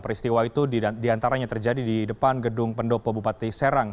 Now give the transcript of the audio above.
peristiwa itu diantaranya terjadi di depan gedung pendopo bupati serang